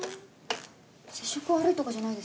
接触悪いとかじゃないですか？